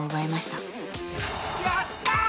やった！